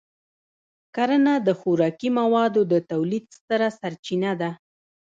کرنه د خوراکي موادو د تولید ستره سرچینه ده.